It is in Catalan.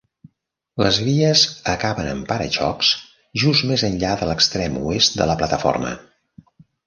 Les vies acaben en para-xocs just més enllà de l'extrem oest de la plataforma.